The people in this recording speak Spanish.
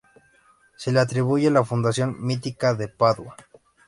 Se le atribuye la fundación mítica de Padua.